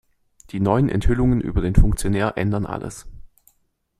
Die neuen Enthüllungen über den Funktionär ändern alles.